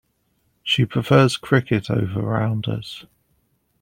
She prefers cricket over rounders.